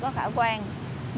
về khách trung quốc